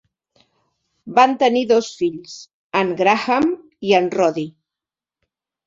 Van tenir dos fills, en Graham i el Roddy.